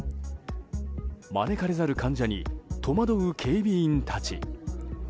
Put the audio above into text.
招かれざる患者に戸惑う警備員たち。